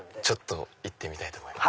行ってみたいと思います。